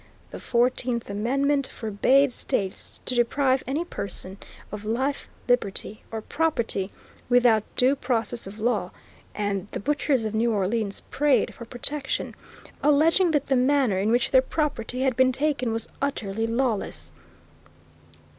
The Fourteenth Amendment forbade states to deprive any person of life, liberty, or property, without due process of law, and the butchers of New Orleans prayed for protection, alleging that the manner in which their property had been taken was utterly lawless.